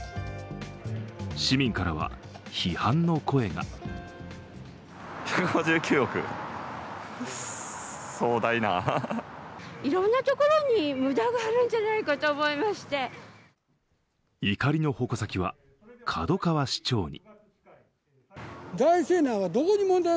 市民からは批判の声が怒りの矛先は門川市長に。